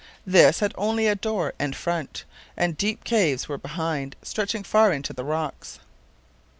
This had only a door and front, and deep caves were behind, stretching far into the rocks.